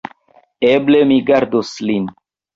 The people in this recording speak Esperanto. Eble mi gardos lin.